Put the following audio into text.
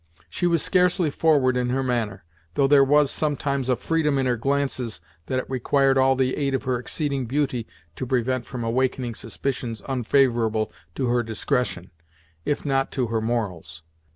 She was scarcely forward in her manner, though there was sometimes a freedom in her glances that it required all the aid of her exceeding beauty to prevent from awakening suspicions unfavorable to her discretion, if not to her morals.